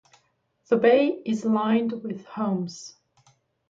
The bay is lined with homes.